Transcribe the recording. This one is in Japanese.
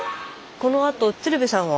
このあと鶴瓶さんは？